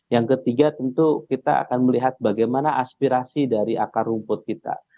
yang ketiga tentu kita akan melihat bagaimana aspirasi dari akar rumput kita